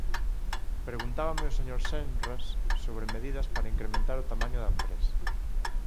Preguntábame o señor Senras sobre medidas para incrementar o tamaño da empresa.